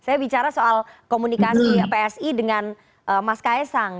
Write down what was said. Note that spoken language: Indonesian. saya bicara soal komunikasi psi dengan mas kaisang